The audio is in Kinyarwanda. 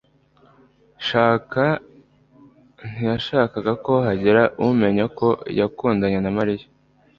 Shaka ntiyashakaga ko hagira umenya ko yakundanye na Mariya.